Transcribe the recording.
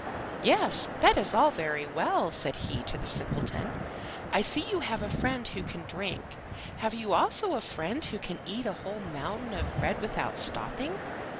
"Yes, that is all very well," said he to the simpleton. "I see you have a friend who can drink. Have you also a friend who can eat a whole mountain of bread without stopping?